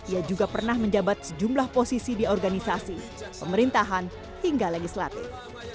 ia juga pernah menjabat sejumlah posisi di organisasi pemerintahan hingga legislatif